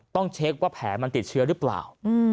ต้องเช็คว่าแผลมันติดเชื้อหรือเปล่า